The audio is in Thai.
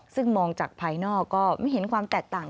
ซึ่งมองจากภายนอกก็ไม่เห็นความแตกต่าง